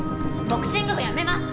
ボクシング部やめます！